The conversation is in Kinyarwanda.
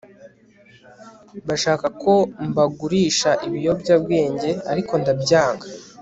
bashakaga ko mbagurisha ibiyobyabwenge, ariko ndabyanga